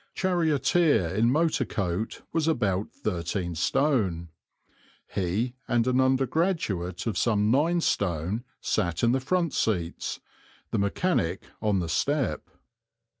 Charioteer, in motor coat, was about 13 stone. He and an undergraduate of some 9 stone sat in the front seats, the mechanic on the step.